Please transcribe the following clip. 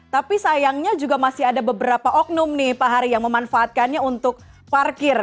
tapi sayangnya juga masih ada beberapa oknum nih pak hari yang memanfaatkannya untuk parkir